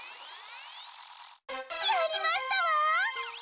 やりましたわ！